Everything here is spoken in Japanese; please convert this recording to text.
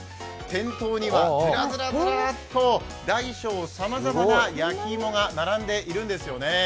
店頭にはずらずらずらーっと大小さまざまな焼き芋が並んでいるんですよね。